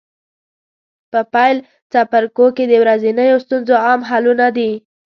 په پیل څپرکو کې د ورځنیو ستونزو عام حلونه دي.